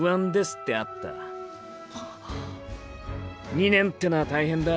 ２年てのは大変だ。